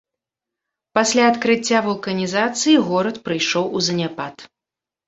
Пасля адкрыцця вулканізацыі горад прыйшоў у заняпад.